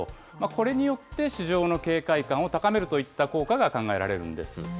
これによって市場の警戒感を高めるといった効果が考えられるんです。